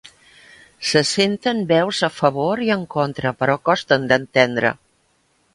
Se senten veus a favor i en contra, però costen d'entendre.